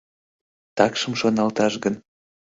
Такшым шоналташ гын...